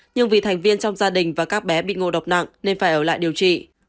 nhưng vì thành viên trong gia đình và các bé bị ngộ độc nặng nên phải ở lại điều trị